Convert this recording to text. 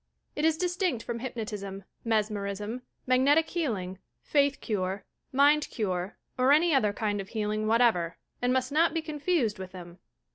It is distinct from hypnotism, mesmerism, mag netic healing, faith eure, mind cure, or any other kind of healing whatever, and must not be confused with them.